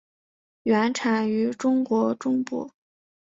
原产于中国中部。